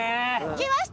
きました！